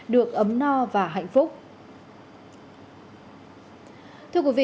được ấm no và hạnh phúc